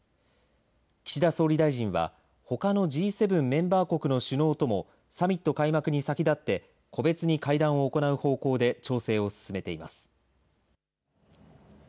岸田総理大臣は、ほかのＧ７メンバー国の首脳ともサミット開幕に先立って、個別に会談を行う方向で調整を進めています。